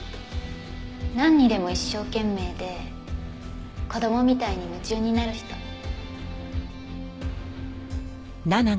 なんにでも一生懸命で子供みたいに夢中になる人。